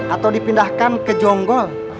atau dipindahkan ke jonggol